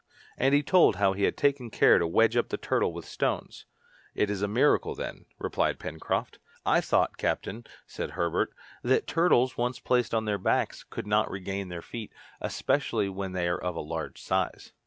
And he told how he had taken care to wedge up the turtle with stones. "It is a miracle, then!" replied Pencroft. "I thought, captain," said Herbert, "that turtles, once placed on their backs, could not regain their feet, especially when they are of a large size?"